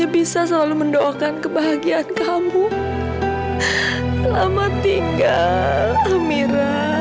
direk dan dia ada tentang amir